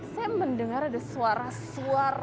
saya mendengar ada suara suara